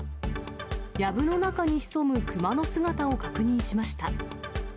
やぶの中に潜むクマの姿を確認しました。